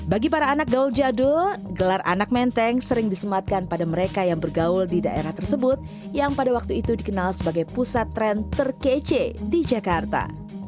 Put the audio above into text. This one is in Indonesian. bagi para anak gaul jadul gelar anak menteng sering disematkan pada mereka yang bergaul di daerah tersebut yang pada waktu itu dikenal sebagai pusat tren terkece di jakarta